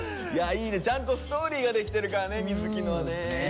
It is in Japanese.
いやいいねちゃんとストーリーができてるからね瑞稀のはね。